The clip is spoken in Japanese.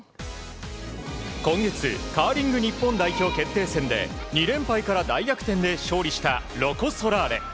今月カーリング日本代表決定戦で２連敗から大逆転で勝利したロコ・ソラーレ。